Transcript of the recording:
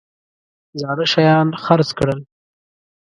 زاړه شیان خرڅ کړل.